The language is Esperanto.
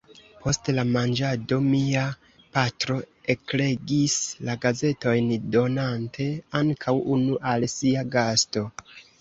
Post la manĝado mia patro eklegis la gazetojn, donante ankaŭ unu al sia gasto.